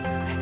apa sih pak